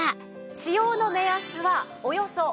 使用の目安はおよそ１分です。